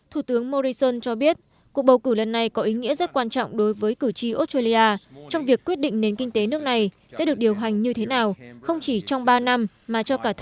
thủ tướng morrison cho biết cuộc bầu cử lần này có ý nghĩa rất quan trọng đối với cử tri australia trong việc quyết định nền kinh tế nước này sẽ được điều hành như thế nào không chỉ trong ba năm mà cho cả tháng